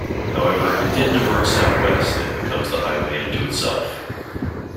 However, it then diverts southwest and becomes the highway unto itself.